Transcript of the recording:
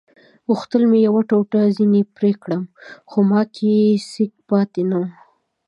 غوښتل مې یوه ټوټه ځینې پرې کړم خو ما کې سېک پاتې نه وو.